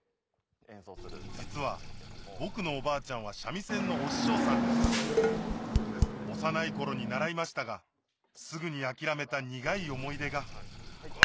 実は僕のおばあちゃんは三味線のお師匠さんでした幼い頃に習いましたがすぐに諦めた苦い思い出がうわ！